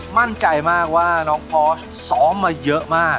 มั่นใจมากว่าน้องพอสซ้อมมาเยอะมาก